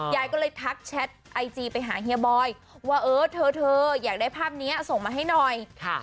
ยายก็เลยทักแชทไอจีไปหาเฮียบอยว่าเออเธออยากได้ภาพนี้ส่งมาให้หน่อย